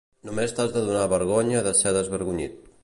Només t'has de donar vergonya de ser desvergonyit.